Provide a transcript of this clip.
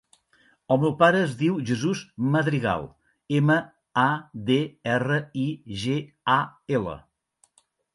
El meu pare es diu Jesús Madrigal: ema, a, de, erra, i, ge, a, ela.